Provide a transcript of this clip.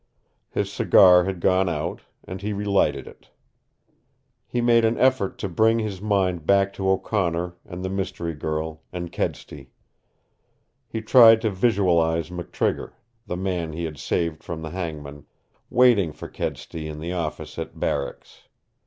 His cigar had gone out, and he relighted it. He made an effort to bring his mind back to O'Connor, and the mystery girl, and Kedsty. He tried to visualize McTrigger, the man he had saved from the hangman, waiting for Kedsty in the office at barracks.